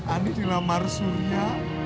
ani dilamar surya